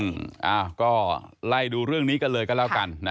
อ้าวก็ไล่ดูเรื่องนี้กันเลยก็แล้วกันนะ